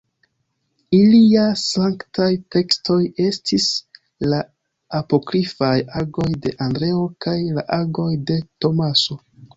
Ilia sanktaj tekstoj estis la apokrifaj Agoj de Andreo kaj la Agoj de Tomaso.